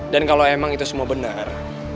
dan kalo emang itu semua benar